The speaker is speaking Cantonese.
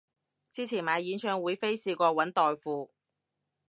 之前買演唱會飛試過搵代付